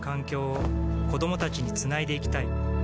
子どもたちにつないでいきたい